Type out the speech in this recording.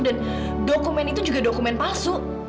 dan dokumen itu juga dokumen palsu